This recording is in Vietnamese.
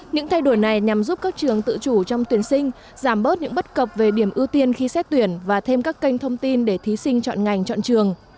những thay đổi này nhằm giúp các trường tự chủ trong tuyển sinh giảm bớt những bất cập về điểm ưu tiên khi xét tuyển và thêm các kênh thông tin để thí sinh chọn ngành chọn trường